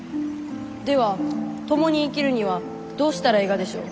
では共に生きるにはどうしたらえいがでしょう？